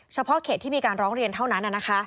เฉพาะเขตที่มีการร้องเรียนเท่านั้น